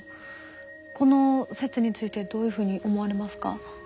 この説についてどういうふうに思われますか？